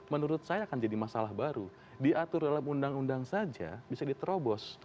menurut saya akan jadi masalah baru diatur dalam undang undang saja bisa diterobos